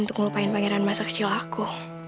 untuk melupain pangeran masa kecil aku